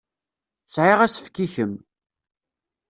Sɛiɣ asefk i kemm.